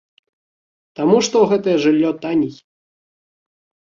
Таму што гэтае жыллё танней.